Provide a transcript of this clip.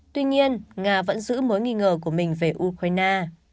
tuy nhiên nga vẫn giữ mối nghi ngờ của mình về ukraine